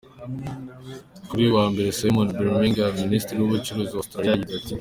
Kuri uyu wa mbere, Simon Birmingham, minisitiri w'ubucuruzi wa Australia, yagize ati:.